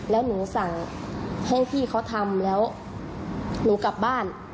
แล้วหนูสั่งให้พี่เขาทำแล้วหนูกลับบ้าน